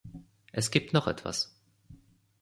Es gibt noch etwas.